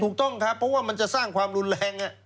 ถูกต้องครับเพราะว่ามันจะสร้างความรุนแรง